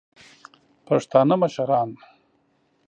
پښتانه مشران